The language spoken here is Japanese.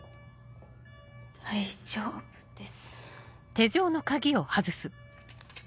大丈夫です。